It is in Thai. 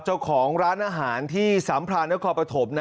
เจ้าของร้านอาหารที่สัมพลาณพลปฐม